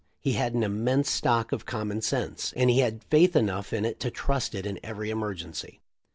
He had an immense stock of common sense, and he had faith enough in it to trust it in every emergency.